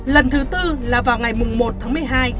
lần thứ tư là vào ngày một tháng một mươi hai